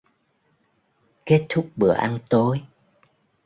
Kết thúc bữa ăn tối